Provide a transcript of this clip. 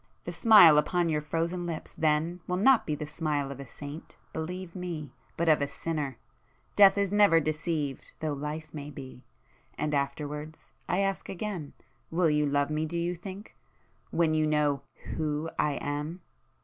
The smile upon your frozen lips then will not be the smile of a saint, believe me, but of a sinner! Death is never deceived, though life may be. And afterwards ... I ask again, will you love me, do you think? ... when you know WHO I am?"